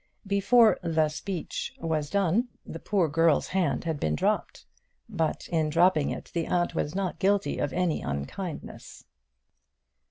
Before the speech was done the poor girl's hand had been dropped, but in dropping it the aunt was not guilty of any unkindness.